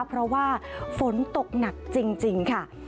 เพราะว่าฝนตกหนักจริงค่ะ